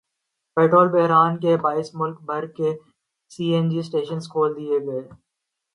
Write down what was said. petrol بحران کے باعث ملک بھر کے سی این جی اسٹیشن کھول دیئے گئے